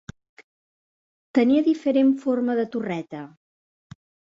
Tenia diferent forma de torreta.